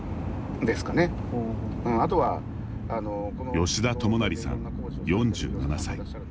吉田知成さん、４７歳。